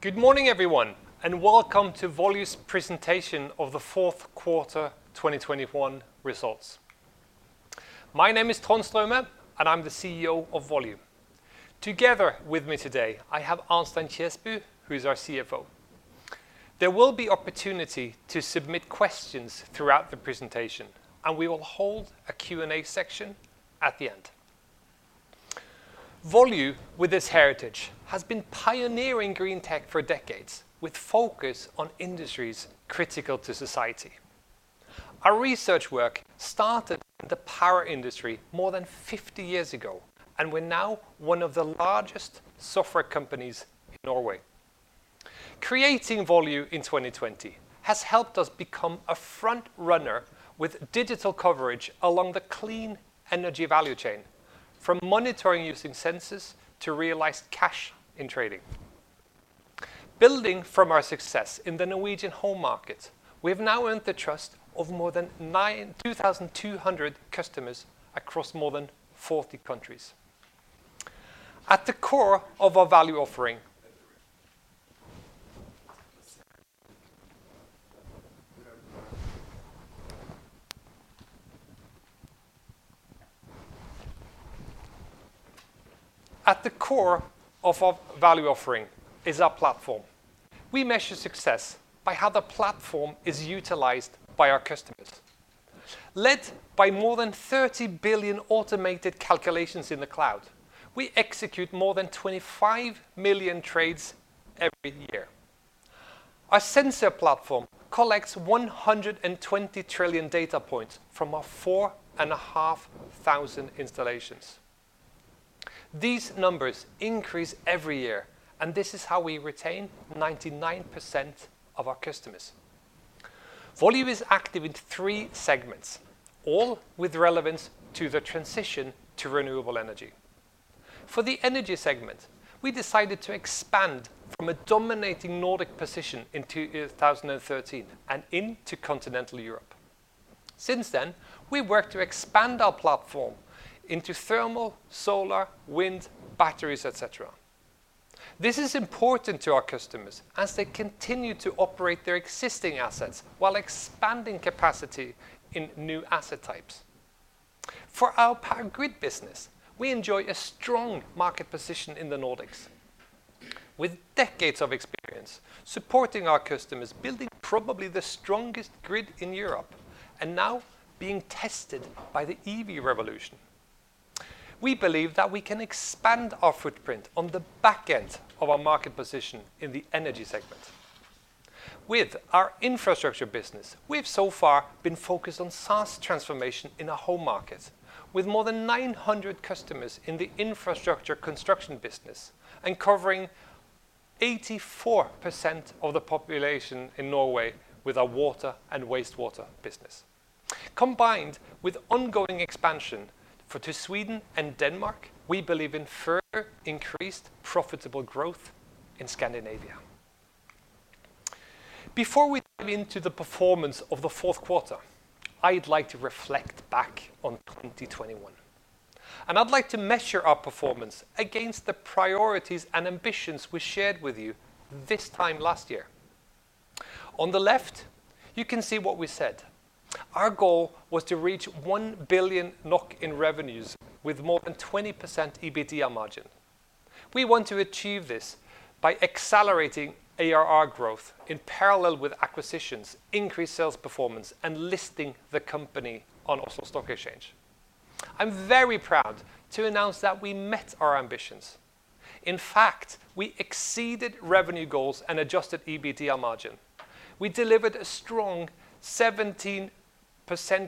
Good morning, everyone, and welcome to Volue's presentation of the fourth quarter 2021 results. My name is Trond Straume, and I'm the CEO of Volue. Together with me today, I have Arnstein Kjesbu, who is our CFO. There will be opportunity to submit questions throughout the presentation, and we will hold a Q&A section at the end. Volue, with its heritage, has been pioneering green tech for decades, with focus on industries critical to society. Our research work started in the power industry more than 50 years ago, and we're now one of the largest software companies in Norway. Creating Volue in 2020 has helped us become a front runner with digital coverage along the clean energy value chain, from monitoring using sensors to realized cash in trading. Building from our success in the Norwegian home market, we have now earned the trust of more than 9,200 customers across more than 40 countries. At the core of our value offering is our platform. We measure success by how the platform is utilized by our customers. Led by more than 30 billion automated calculations in the cloud, we execute more than 25 million trades every year. Our sensor platform collects 120 trillion data points from our 4,500 installations. These numbers increase every year, and this is how we retain 99% of our customers. Volue is active in three segments, all with relevance to the transition to renewable energy. For the energy segment, we decided to expand from a dominating Nordic position in 2013 and into Continental Europe. Since then, we worked to expand our platform into thermal, solar, wind, batteries, et cetera. This is important to our customers as they continue to operate their existing assets while expanding capacity in new asset types. For our power grid business, we enjoy a strong market position in the Nordics. With decades of experience supporting our customers, building probably the strongest grid in Europe, and now being tested by the EV revolution. We believe that we can expand our footprint on the back-end of our market position in the energy segment. With our infrastructure business, we have so far been focused on SaaS transformation in our home market. With more than 900 customers in the infrastructure construction business and covering 84% of the population in Norway with our water and wastewater business. Combined with ongoing expansion into Sweden and Denmark, we believe in further increased profitable growth in Scandinavia. Before we dive into the performance of the fourth quarter, I'd like to reflect back on 2021, and I'd like to measure our performance against the priorities and ambitions we shared with you this time last year. On the left, you can see what we said. Our goal was to reach 1 billion NOK in revenues with more than 20% EBITDA margin. We want to achieve this by accelerating ARR growth in parallel with acquisitions, increased sales performance, and listing the company on Oslo Stock Exchange. I'm very proud to announce that we met our ambitions. In fact, we exceeded revenue goals and adjusted EBITDA margin. We delivered a strong 17%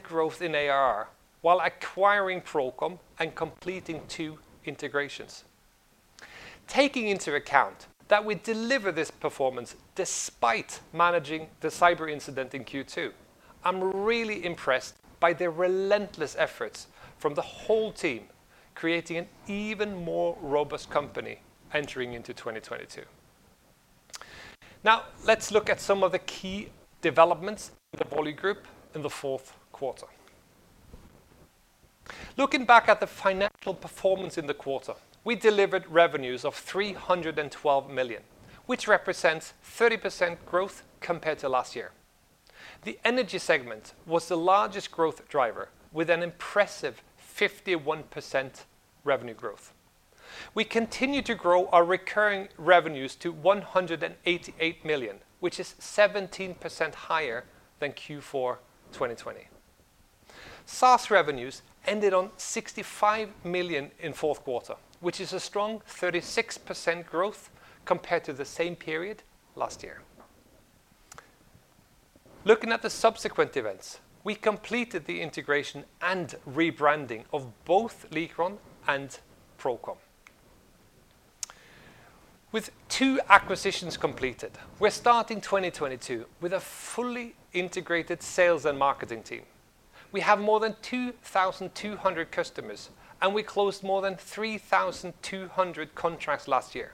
growth in ARR while acquiring ProCom and completing two integrations. Taking into account that we deliver this performance despite managing the cyber incident in Q2, I'm really impressed by the relentless efforts from the whole team, creating an even more robust company entering into 2022. Now, let's look at some of the key developments in the Volue Group in the fourth quarter. Looking back at the financial performance in the quarter, we delivered revenues of 312 million, which represents 30% growth compared to last year. The energy segment was the largest growth driver with an impressive 51% revenue growth. We continue to grow our recurring revenues to 188 million, which is 17% higher than Q4 2020. SaaS revenues ended on 65 million in fourth quarter, which is a strong 36% growth compared to the same period last year. Looking at the subsequent events, we completed the integration and rebranding of both Likron and ProCom. With two acquisitions completed, we're starting 2022 with a fully integrated sales and marketing team. We have more than 2,200 customers, and we closed more than 3,200 contracts last year,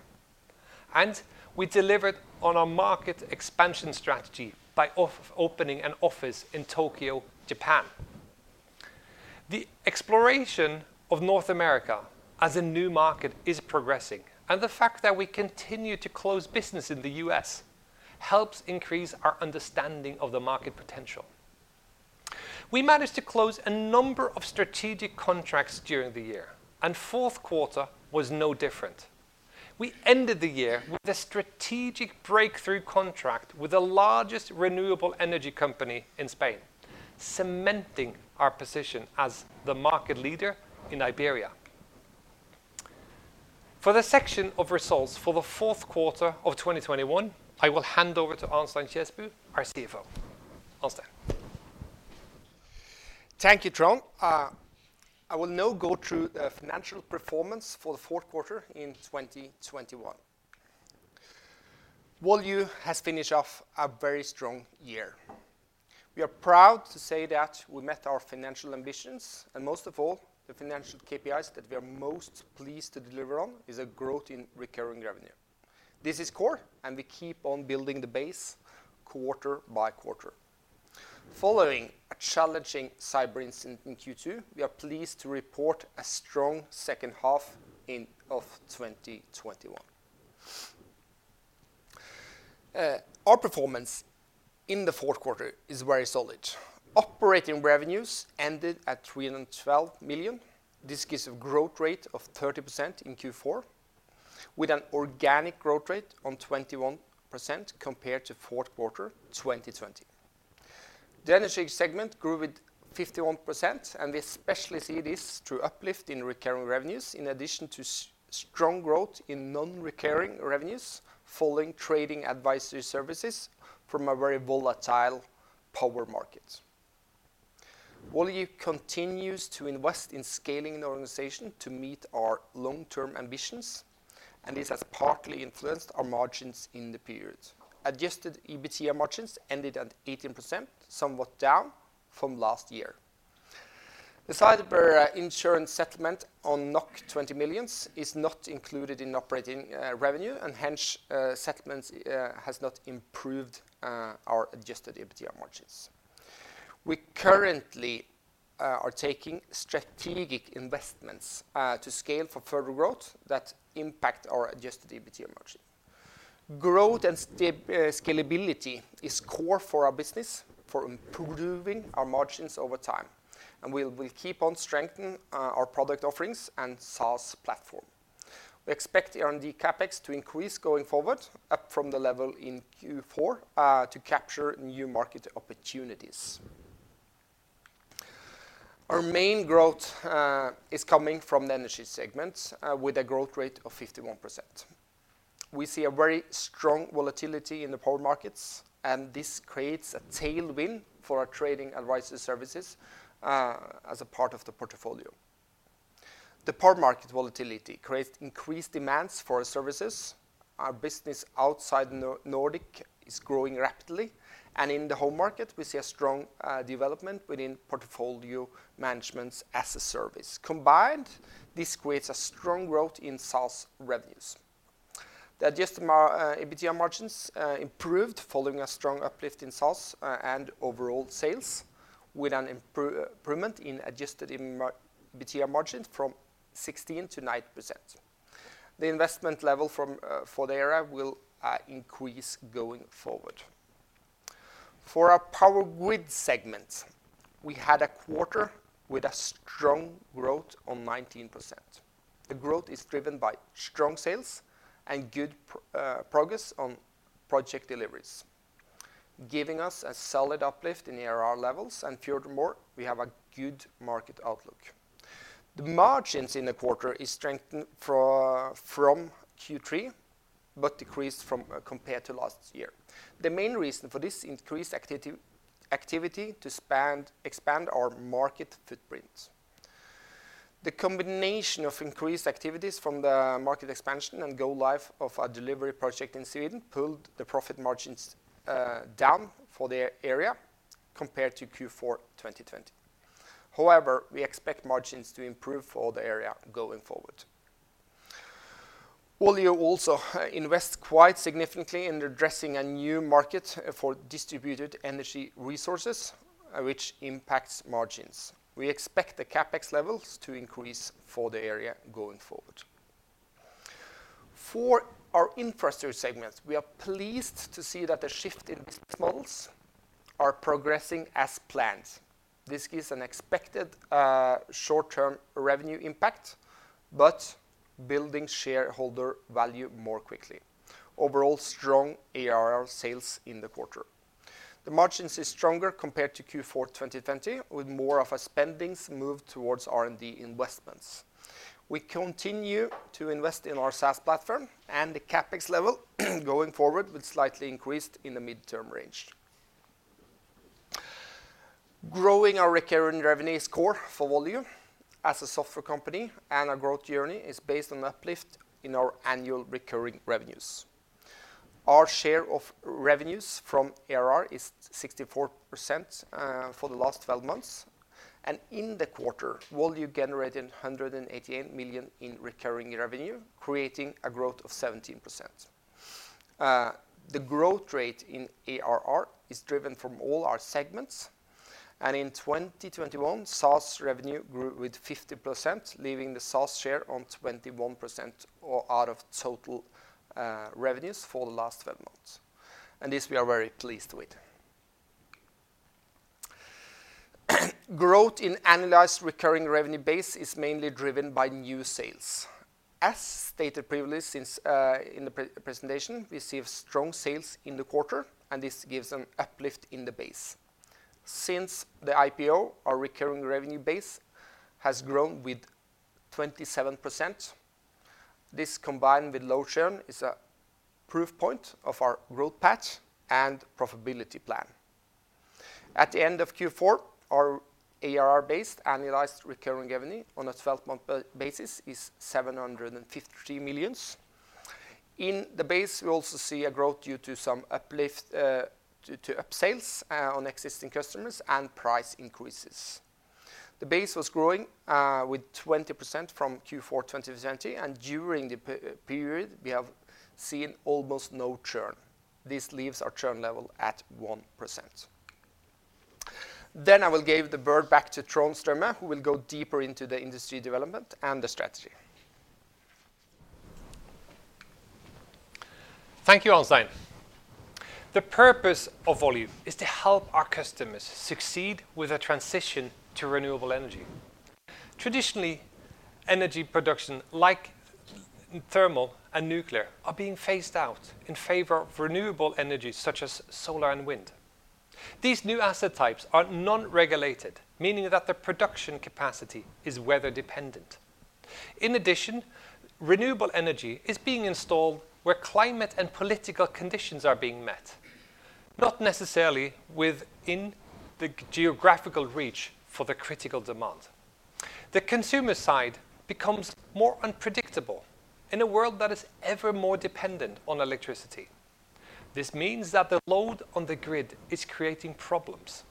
and we delivered on our market expansion strategy by opening an office in Tokyo, Japan. The exploration of North America as a new market is progressing, and the fact that we continue to close business in the U.S. helps increase our understanding of the market potential. We managed to close a number of strategic contracts during the year, and fourth quarter was no different. We ended the year with a strategic breakthrough contract with the largest renewable energy company in Spain, cementing our position as the market leader in Iberia. For the section of results for the fourth quarter of 2021, I will hand over to Arnstein Kjesbu, our CFO. Arnstein. Thank you, Trond. I will now go through the financial performance for the fourth quarter in 2021. Volue has finished off a very strong year. We are proud to say that we met our financial ambitions and most of all, the financial KPIs that we are most pleased to deliver on is a growth in recurring revenue. This is core, and we keep on building the base quarter by quarter. Following a challenging cyber incident in Q2, we are pleased to report a strong second half of 2021. Our performance in the fourth quarter is very solid. Operating revenues ended at 312 million. This gives a growth rate of 30% in Q4, with an organic growth rate of 21% compared to fourth quarter 2020. The Energy segment grew with 51%, and we especially see this through uplift in recurring revenues in addition to strong growth in non-recurring revenues following trading advisory services from a very volatile power market. Volue continues to invest in scaling the organization to meet our long-term ambitions, and this has partly influenced our margins in the period. Adjusted EBITDA margins ended at 18%, somewhat down from last year. The cyber insurance settlement on 20 million is not included in operating revenue, and hence settlement has not improved our adjusted EBITDA margins. We currently are taking strategic investments to scale for further growth that impact our adjusted EBITDA margin. Growth and scalability is core for our business for improving our margins over time, and we will keep on strengthening our product offerings and SaaS platform. We expect R&D CapEx to increase going forward, up from the level in Q4 to capture new market opportunities. Our main growth is coming from the Energy segment with a growth rate of 51%. We see a very strong volatility in the power markets, and this creates a tailwind for our trading advisory services as a part of the portfolio. The power market volatility creates increased demands for our services. Our business outside non-Nordic is growing rapidly. In the home market, we see a strong development within portfolio management as a service. Combined, this creates a strong growth in SaaS revenues. The adjusted EBITDA margins improved following a strong uplift in SaaS and overall sales, with an improvement in adjusted EBITDA margins from 16%-19%. The investment level for the area will increase going forward. For our Power Grid segment, we had a quarter with a strong growth on 19%. The growth is driven by strong sales and good progress on project deliveries, giving us a solid uplift in ARR levels, and furthermore, we have a good market outlook. The margins in the quarter is strengthened from Q3, but decreased compared to last year. The main reason for this is increased activity to expand our market footprint. The combination of increased activities from the market expansion and go live of a delivery project in Sweden pulled the profit margins down for the area compared to Q4 2020. However, we expect margins to improve for the area going forward. Volue also invest quite significantly in addressing a new market for distributed energy resources, which impacts margins. We expect the CapEx levels to increase for the area going forward. For our Infrastructure segment, we are pleased to see that the shift in business models are progressing as planned. This gives an expected short-term revenue impact, but building shareholder value more quickly. Overall strong ARR sales in the quarter. The margins is stronger compared to Q4 2020, with more of our spendings moved towards R&D investments. We continue to invest in our SaaS platform and the CapEx level going forward will slightly increase in the midterm range. Growing our recurring revenue is core for Volue as a software company, and our growth journey is based on uplift in our annual recurring revenues. Our share of revenues from ARR is 64% for the last 12 months. In the quarter, Volue generated 188 million in recurring revenue, creating a growth of 17%. The growth rate in ARR is driven from all our segments, and in 2021, SaaS revenue grew with 50%, leaving the SaaS share on 21% out of total revenues for the last twelve months. This we are very pleased with. Growth in annualized recurring revenue base is mainly driven by new sales. As stated previously since in the pre-presentation, we see strong sales in the quarter, and this gives an uplift in the base. Since the IPO, our recurring revenue base has grown with 27%. This combined with low churn is a proof point of our growth path and profitability plan. At the end of Q4, our ARR based annualized recurring revenue on a twelve-month basis is 753 million. In the base, we also see a growth due to some uplift to upsales on existing customers and price increases. The base was growing with 20% from Q4 2020, and during the period, we have seen almost no churn. This leaves our churn level at 1%. I will give the word back to Trond Straume, who will go deeper into the industry development and the strategy. Thank you, Arnstein. The purpose of Volue is to help our customers succeed with a transition to renewable energy. Traditionally, energy production like thermal and nuclear are being phased out in favor of renewable energy such as solar and wind. These new asset types are non-regulated, meaning that the production capacity is weather-dependent. In addition, renewable energy is being installed where climate and political conditions are being met, not necessarily within the geographical reach for the critical demand. The consumer side becomes more unpredictable in a world that is ever more dependent on electricity. This means that the load on the grid is creating problems.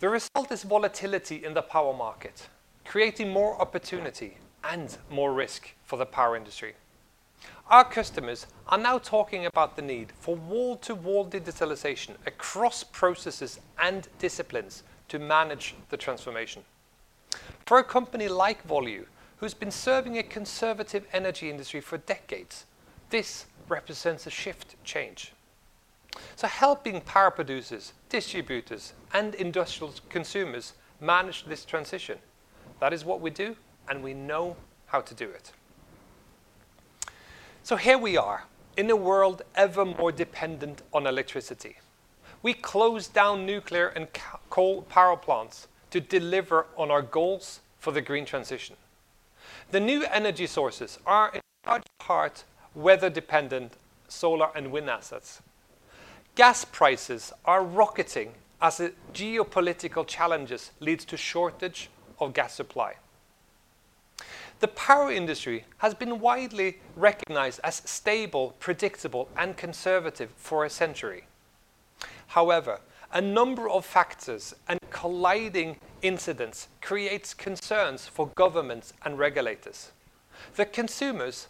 The result is volatility in the power market, creating more opportunity and more risk for the power industry. Our customers are now talking about the need for wall-to-wall digitalization across processes and disciplines to manage the transformation. For a company like Volue, who's been serving a conservative energy industry for decades, this represents a sea change. Helping power producers, distributors, and industrial consumers manage this transition, that is what we do, and we know how to do it. Here we are in a world ever more dependent on electricity. We close down nuclear and coal power plants to deliver on our goals for the green transition. The new energy sources are in large part weather-dependent solar and wind assets. Gas prices are rocketing as the geopolitical challenges leads to shortage of gas supply. The power industry has been widely recognized as stable, predictable, and conservative for a century. However, a number of factors and colliding incidents creates concerns for governments and regulators. The consumers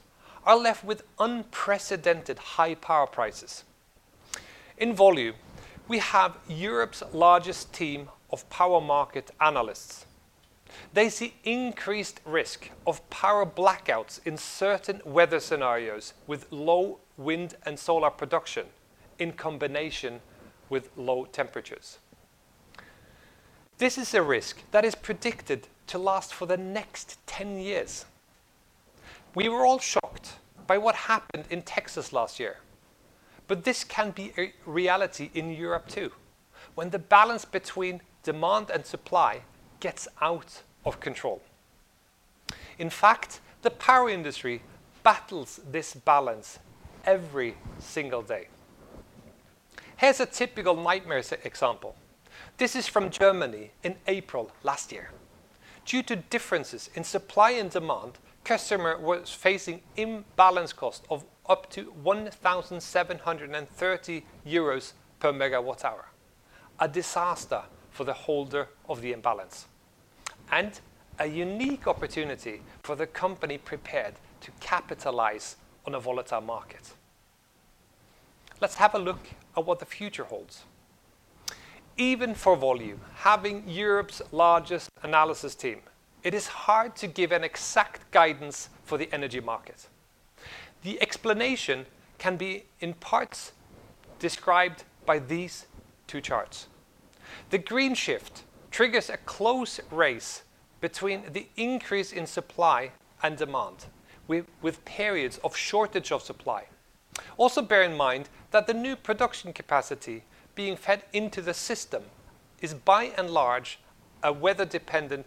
are left with unprecedented high power prices. In Volue, we have Europe's largest team of power market analysts. They see increased risk of power blackouts in certain weather scenarios with low wind and solar production in combination with low temperatures. This is a risk that is predicted to last for the next ten years. We were all shocked by what happened in Texas last year, but this can be a reality in Europe too, when the balance between demand and supply gets out of control. In fact, the power industry battles this balance every single day. Here's a typical nightmare example. This is from Germany in April last year. Due to differences in supply and demand, customer was facing imbalance cost of up to 1,730 euros per MWh, a disaster for the holder of the imbalance, and a unique opportunity for the company prepared to capitalize on a volatile market. Let's have a look at what the future holds. Even for Volue, having Europe's largest analysis team, it is hard to give an exact guidance for the energy market. The explanation can be in parts described by these two charts. The green shift triggers a close race between the increase in supply and demand with periods of shortage of supply. Also bear in mind that the new production capacity being fed into the system is by and large a weather-dependent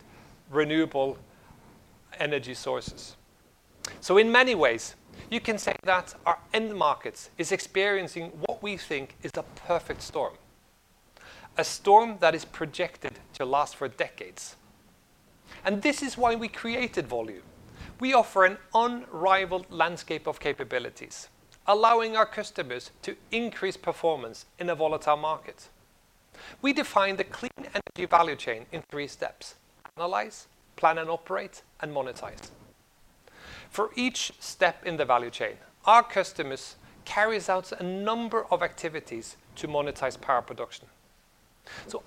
renewable energy sources. So in many ways, you can say that our end markets is experiencing what we think is the perfect storm, a storm that is projected to last for decades. This is why we created Volue. We offer an unrivaled landscape of capabilities, allowing our customers to increase performance in a volatile market. We define the clean energy value chain in three steps, analyze, plan and operate, and monetize. For each step in the value chain, our customers carries out a number of activities to monetize power production.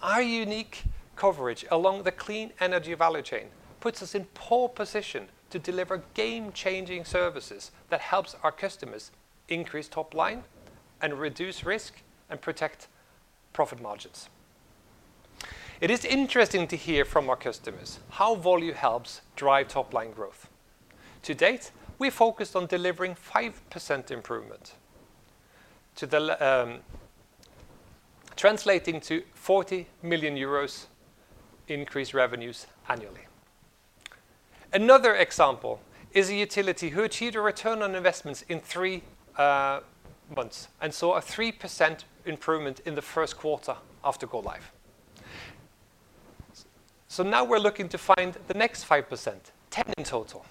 Our unique coverage along the clean energy value chain puts us in pole position to deliver game-changing services that helps our customers increase top line and reduce risk and protect profit margins. It is interesting to hear from our customers how Volue helps drive top line growth. To date, we focused on delivering 5% improvement translating to 40 million euros increased revenues annually. Another example is a utility who achieved a return on investments in three months and saw a 3% improvement in the first quarter after go live. Now we're looking to find the next 5%, 10 in total.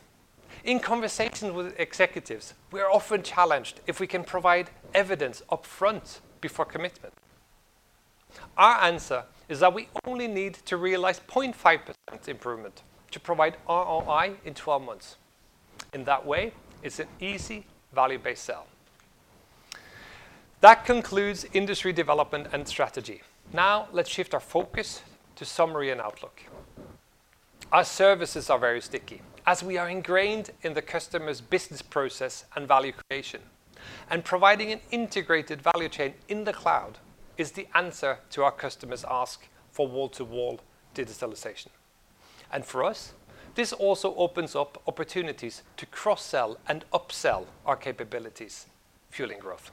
In conversations with executives, we are often challenged if we can provide evidence upfront before commitment. Our answer is that we only need to realize 0.5% improvement to provide ROI in 12 months. In that way, it's an easy value-based sell. That concludes industry development and strategy. Now let's shift our focus to summary and outlook. Our services are very sticky, as we are ingrained in the customer's business process and value creation. Providing an integrated value chain in the cloud is the answer to our customers' ask for wall-to-wall digitalization. For us, this also opens up opportunities to cross-sell and upsell our capabilities, fueling growth.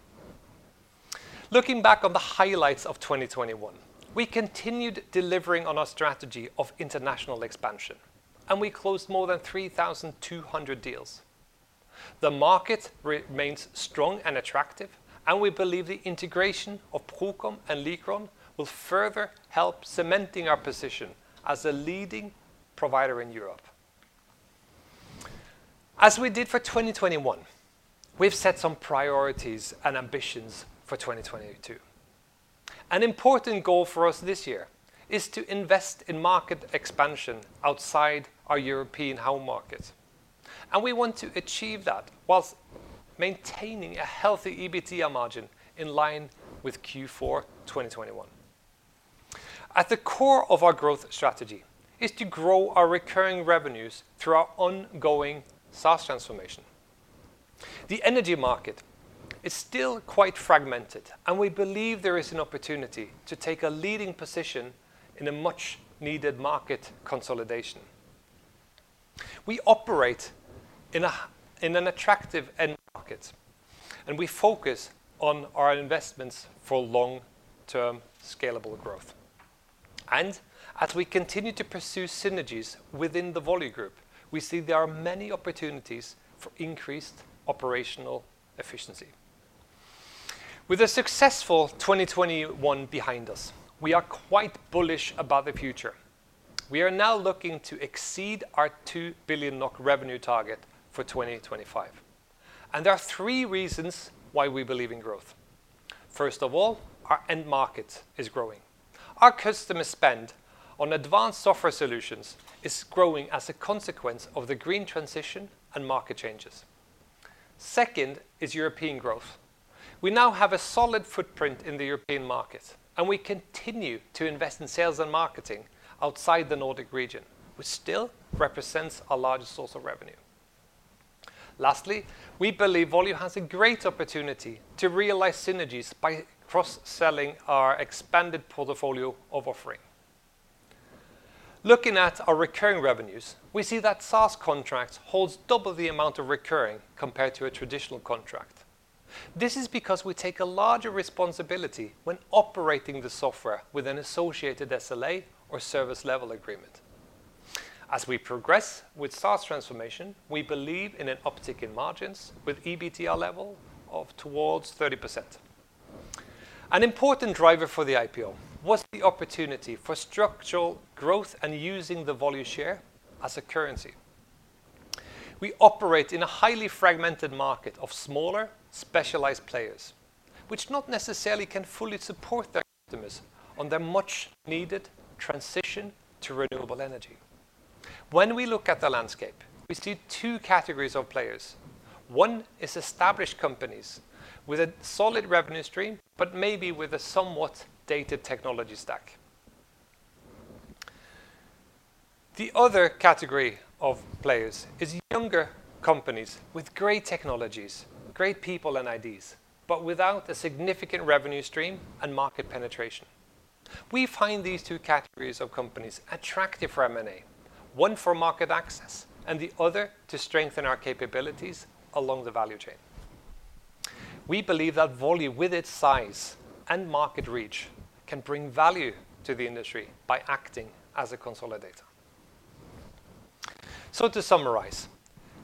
Looking back on the highlights of 2021, we continued delivering on our strategy of international expansion, and we closed more than 3,002 deals. The market remains strong and attractive, and we believe the integration of ProCom and Likron will further help cementing our position as a leading provider in Europe. As we did for 2021, we've set some priorities and ambitions for 2022. An important goal for us this year is to invest in market expansion outside our European home market, and we want to achieve that while maintaining a healthy EBITDA margin in line with Q4 2021. At the core of our growth strategy is to grow our recurring revenues through our ongoing SaaS transformation. The energy market is still quite fragmented, and we believe there is an opportunity to take a leading position in a much-needed market consolidation. We operate in an attractive end market, and we focus on our investments for long-term scalable growth. As we continue to pursue synergies within the Volue group, we see there are many opportunities for increased operational efficiency. With a successful 2021 behind us, we are quite bullish about the future. We are now looking to exceed our 2 billion NOK revenue target for 2025. There are three reasons why we believe in growth. First of all, our end market is growing. Our customer spend on advanced software solutions is growing as a consequence of the green transition and market changes. Second is European growth. We now have a solid footprint in the European market, and we continue to invest in sales and marketing outside the Nordic region, which still represents our largest source of revenue. Lastly, we believe Volue has a great opportunity to realize synergies by cross-selling our expanded portfolio of offering. Looking at our recurring revenues, we see that SaaS contracts holds double the amount of recurring compared to a traditional contract. This is because we take a larger responsibility when operating the software with an associated SLA or service level agreement. As we progress with SaaS transformation, we believe in an uptick in margins with EBITDA level of toward 30%. An important driver for the IPO was the opportunity for structural growth and using the Volue share as a currency. We operate in a highly fragmented market of smaller, specialized players, which not necessarily can fully support their customers on their much-needed transition to renewable energy. When we look at the landscape, we see two categories of players. One is established companies with a solid revenue stream, but maybe with a somewhat dated technology stack. The other category of players is younger companies with great technologies, great people and ideas, but without a significant revenue stream and market penetration. We find these two categories of companies attractive for M&A, one for market access and the other to strengthen our capabilities along the value chain. We believe that Volue, with its size and market reach, can bring value to the industry by acting as a consolidator. To summarize,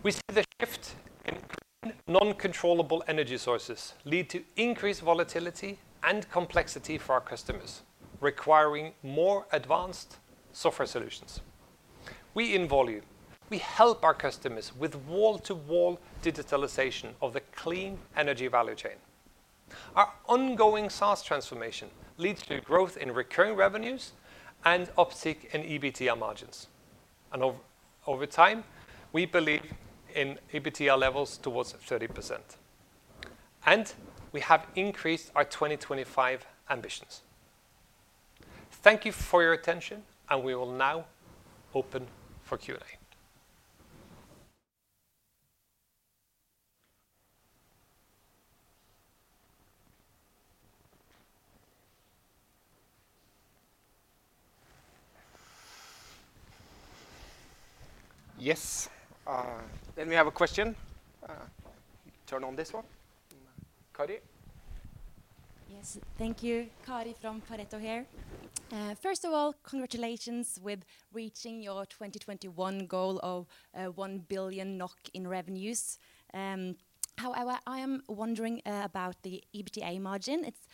we see the shift in non-controllable energy sources lead to increased volatility and complexity for our customers, requiring more advanced software solutions. We in Volue, we help our customers with wall-to-wall digitalization of the clean energy value chain. Our ongoing SaaS transformation leads to growth in recurring revenues and uptick in EBITDA margins. Over time, we believe in EBITDA levels towards 30%. We have increased our 2025 ambitions. Thank you for your attention, and we will now open for Q&A. Yes, we have a question. Turn on this one. Kari? Yes. Thank you. Kari from Pareto here. First of all, congratulations with reaching your 2021 goal of 1 billion NOK in revenues. However, I am wondering about the EBITDA margin. It's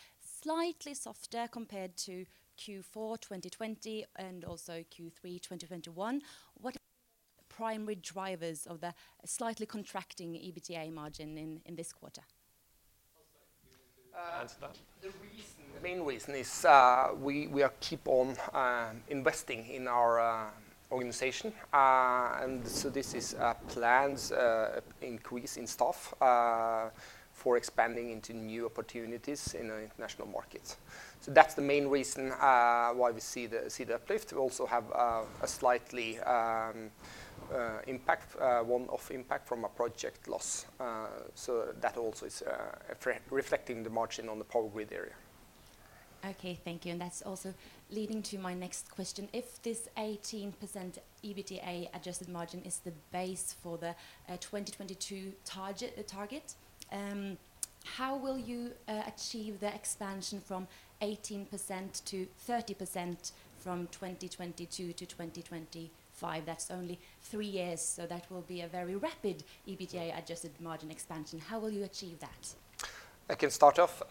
slightly softer compared to Q4 2020 and also Q3 2021. What are the primary drivers of the slightly contracting EBITDA margin in this quarter? Arnstein, do you want to answer that? The reason, the main reason is we keep on investing in our organization. This is a planned increase in staff for expanding into new opportunities in the international market. That's the main reason why we see the uplift. We also have a slight one-off impact from a project loss. That also is reflecting the margin on the power grid area. Okay. Thank you. That's also leading to my next question. If this 18% EBITDA-adjusted margin is the base for the 2022 target, how will you achieve the expansion from 18%-30% from 2022-2025? That's only three years, so that will be a very rapid EBITDA-adjusted margin expansion. How will you achieve that? I can start off.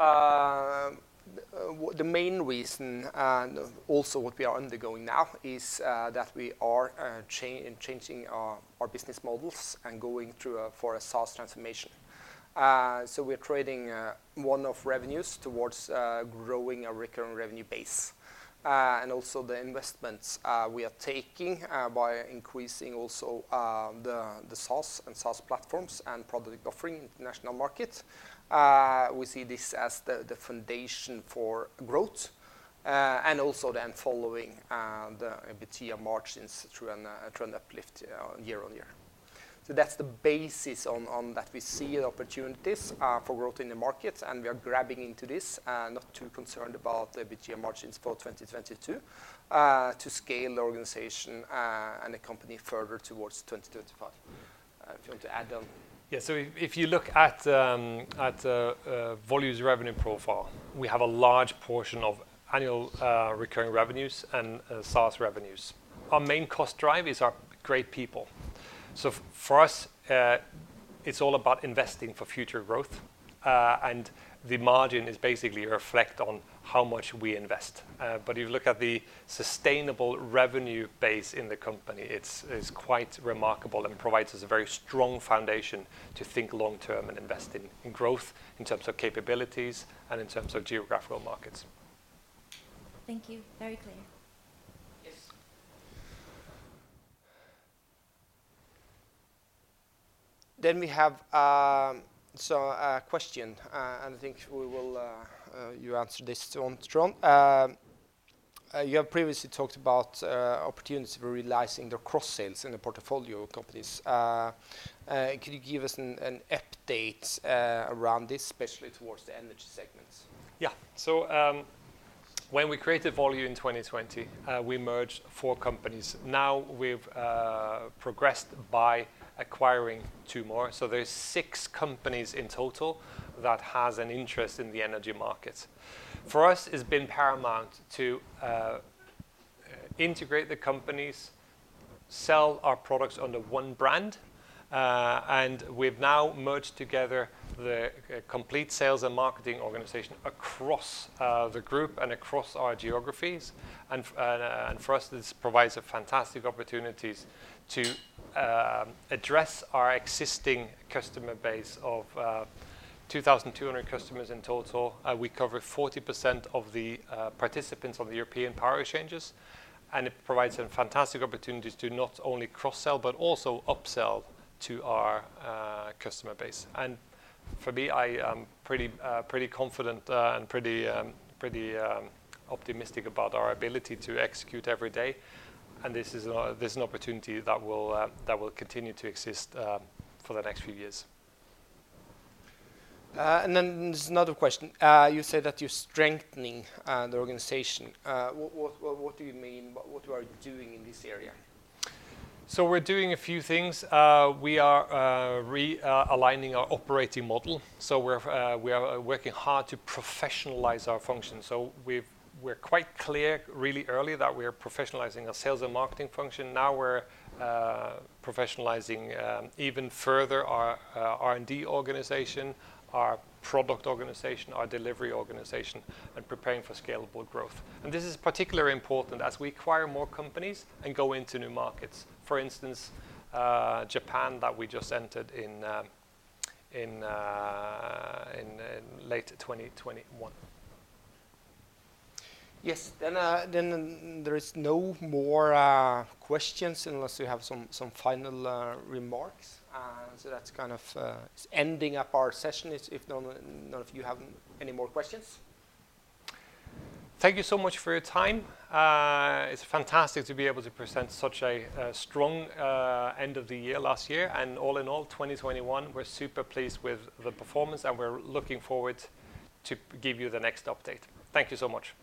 The main reason, and also what we are undergoing now is that we are changing our business models and going through a SaaS transformation. We're trading one-off revenues towards growing a recurring revenue base. Also the investments we are taking by increasing also the SaaS platforms and product offering in the international market. We see this as the foundation for growth. Also then following the EBITDA margins through a trend uplift year on year. That's the basis on that we see opportunities for growth in the market, and we are tapping into this, not too concerned about EBITDA margins for 2022 to scale the organization and the company further towards 2025. If you want to add, Trond? Yeah. If you look at Volue's revenue profile, we have a large portion of annual recurring revenues and SaaS revenues. Our main cost drive is our great people. For us, it's all about investing for future growth, and the margin is basically a reflection on how much we invest. You look at the sustainable revenue base in the company, it's quite remarkable and provides us a very strong foundation to think long term and invest in growth in terms of capabilities and in terms of geographical markets. Thank you. Very clear. Yes. We have a question, and I think you answer this, Trond. You have previously talked about opportunities for realizing the cross-sales in the portfolio companies. Could you give us an update around this, especially towards the energy segments? Yeah. When we created Volue in 2020, we merged four companies. Now we've progressed by acquiring two more. There's six companies in total that has an interest in the energy market. For us, it's been paramount to integrate the companies, sell our products under one brand, and we've now merged together the complete sales and marketing organization across the group and across our geographies. For us, this provides a fantastic opportunities to address our existing customer base of 2,200 customers in total. We cover 40% of the participants on the European power exchanges, and it provides some fantastic opportunities to not only cross-sell but also upsell to our customer base. For me, I am pretty confident and pretty optimistic about our ability to execute every day. This is an opportunity that will continue to exist for the next few years. There's another question. You said that you're strengthening the organization. What do you mean? What are you doing in this area? We're doing a few things. We are aligning our operating model. We're working hard to professionalize our function. We're quite clear really early that we are professionalizing our sales and marketing function. Now we're professionalizing even further our R&D organization, our product organization, our delivery organization, and preparing for scalable growth. This is particularly important as we acquire more companies and go into new markets. For instance, Japan that we just entered in late 2021. Yes. There is no more questions unless you have some final remarks. That's kind of ending up our session, if none of you have any more questions. Thank you so much for your time. It's fantastic to be able to present such a strong end of the year last year. All in all, 2021, we're super pleased with the performance, and we're looking forward to give you the next update. Thank you so much.